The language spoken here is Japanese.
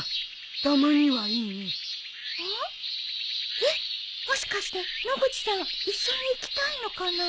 えっもしかして野口さん一緒に行きたいのかな？